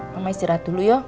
mama istirahat dulu yuk